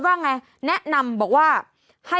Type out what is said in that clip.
วันนี้จะเป็นวันนี้